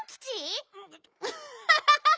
アハハハ！